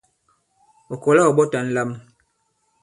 Ɔ̀ kɔ̀la ɔ̀ ɓɔ̀ta ǹlam.